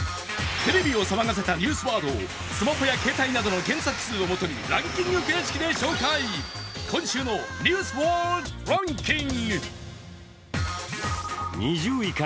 テレビを騒がせたニュースワードをスマホや携帯などの検索数を元にランキング形式で紹介、今週の「ニュースワードランキング」。